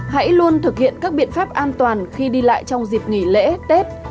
hãy luôn thực hiện các biện pháp an toàn khi đi lại trong dịp nghỉ lễ tết